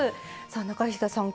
さあ中東さん